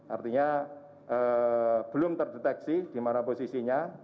artinya belum terdeteksi dimana posisinya